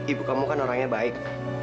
ibu kamu kan orangnya baik